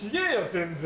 全然。